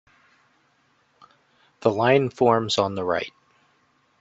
The line forms on the right.